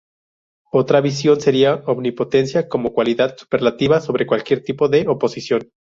Otra visión sería omnipotencia como cualidad superlativa sobre cualquier tipo de oposición.